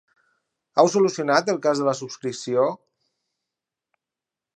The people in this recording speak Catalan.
Heu solucionat el cas de la subscripció?